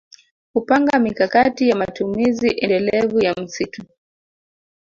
Kupanga mikakati ya matumizi endelevu ya msitu